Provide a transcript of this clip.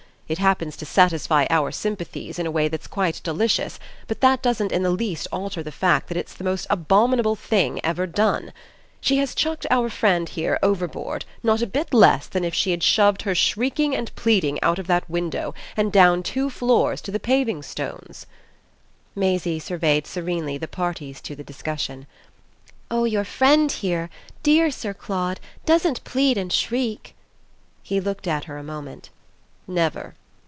It happens to satisfy our sympathies in a way that's quite delicious; but that doesn't in the least alter the fact that it's the most abominable thing ever done. She has chucked our friend here overboard not a bit less than if she had shoved her shrieking and pleading, out of that window and down two floors to the paving stones." Maisie surveyed serenely the parties to the discussion. "Oh your friend here, dear Sir Claude, doesn't plead and shriek!" He looked at her a moment. "Never.